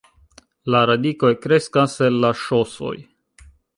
La radikoj kreskas el la ŝosoj.